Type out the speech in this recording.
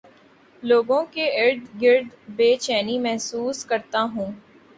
لوگوں کے ارد گرد بے چینی محسوس کرتا ہوں